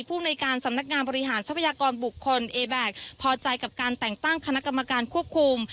ในการสำนักงานบริหารทรัพยากรบุคคลเอแบ็คพอใจกับการแต่งตั้งคณะกรรมการควบคุม